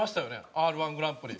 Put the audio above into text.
Ｒ−１グランプリ。